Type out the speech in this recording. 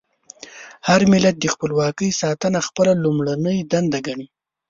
هر ملت د خپلواکۍ ساتنه خپله لومړنۍ دنده ګڼي.